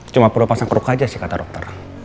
cuma perlu pasang perut aja sih kata dokter